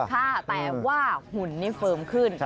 ค่ะแต่ว่าหุ่นนี่เฟิร์มขึ้น